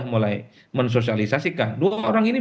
karena kita sudah berpikir